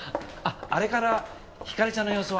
あれからひかりちゃんの様子は。